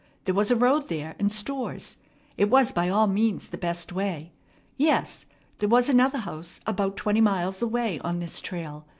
There was a road there, and stores. It was by all means the best way. Yes, there was another house about twenty miles away on this trail.